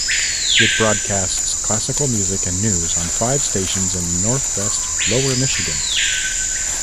It broadcasts classical music and news on five stations in northwest lower Michigan.